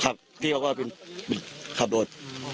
ครับเต้บอกว่าเป็นขับรถ